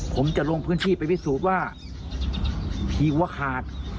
ผมจะลงพื้นที่ไปพิสูจน์ว่าผีหัวขาด